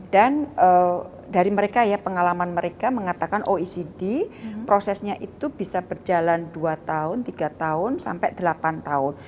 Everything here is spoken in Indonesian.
dan dari mereka ya pengalaman mereka mengatakan oecd prosesnya itu bisa berjalan dua tahun tiga tahun sampai delapan tahun